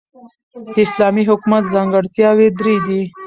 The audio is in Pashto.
د اسلامی حکومت ځانګړتیاوي درې دي.